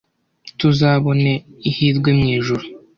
tuzabone ihirwe mu ijuru